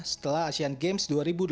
setelah asean games dua ribu delapan belas